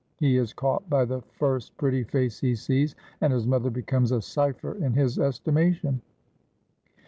He is caught by the first pretty face he sees, and his mother becomes a cipher in his estimation.'